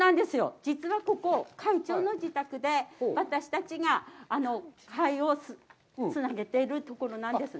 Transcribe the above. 実はここ、会長の自宅で、私たちが会をつなげているところなんですね。